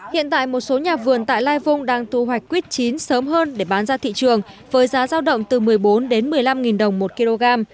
hiện tại một số nhà vườn tại lai vung đang thu hoạch quýt chín sớm hơn để bán ra thị trường với giá giao động từ một mươi bốn đến một mươi năm đồng một kg